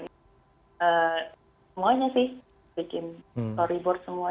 semuanya sih bikin ribut semua